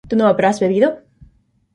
¿tú no habrás bebido?